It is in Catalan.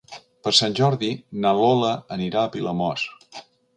Per Sant Jordi na Lola anirà a Vilamòs.